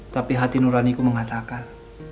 tapi hati nuraniku mengatakan